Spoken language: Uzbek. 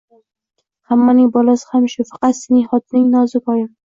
Hammaning bolasi ham shu, faqat sening xotining nozikoyim